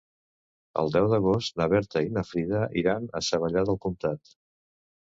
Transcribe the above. El deu d'agost na Berta i na Frida iran a Savallà del Comtat.